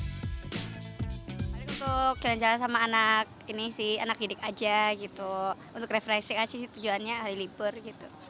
paling untuk jalan jalan sama anak ini sih anak didik aja gitu untuk refreshing aja sih tujuannya hari libur gitu